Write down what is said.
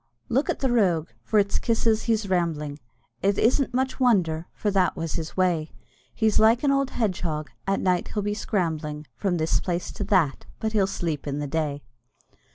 i.e. "Look at the rogue, its for kisses he's rambling, It isn't much wonder, for that was his way; He's like an old hedgehog, at night he'll be scrambling From this place to that, but he'll sleep in the day."